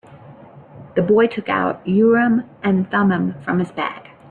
The boy took out Urim and Thummim from his bag.